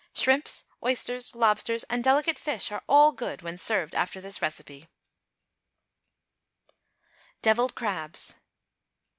Shrimps, oysters, lobsters and delicate fish are all good when served after this recipe. =Devilled Crabs.